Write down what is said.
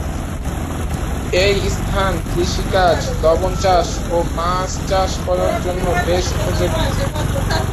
এই স্থান কৃষি কাজ, লবণ চাষ ও মাছ চাষ করার জন্য বেশ উপযোগী।